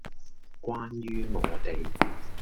關於我地